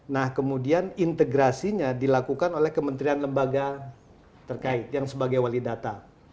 nah kemudian integrasinya dilakukan oleh kementerian lembaga terkait yang sebagai wali data